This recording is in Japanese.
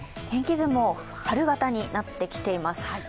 天気図も春型になってきています。